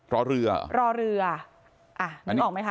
รอเรือรอเรืออ่ะนึกออกไหมคะ